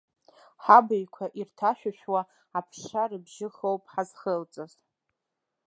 Ҳабаҩқәа ирҭашәышәуа аԥша рыбжьы ахоуп ҳазхылҵыз.